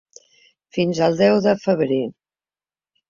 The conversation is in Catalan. Fins al deu de febrer.